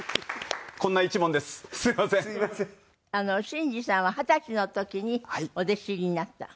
審司さんは二十歳の時にお弟子になった。